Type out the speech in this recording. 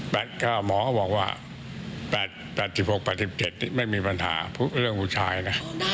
หมอก็บอกว่า๘๖๘๗นี่ไม่มีปัญหาเรื่องผู้ชายนะ